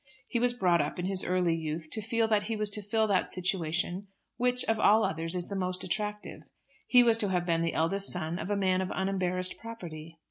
He was brought up in his early youth to feel that he was to fill that situation, which, of all others, is the most attractive. He was to have been the eldest son of a man of unembarrassed property.